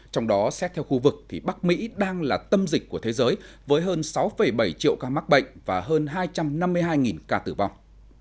trong đó xét theo khu vực bắc mỹ đang là tâm dịch của thế giới với hơn sáu bảy triệu ca mắc bệnh và hơn hai trăm năm mươi hai ca tử vong